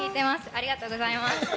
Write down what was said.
ありがとうございます。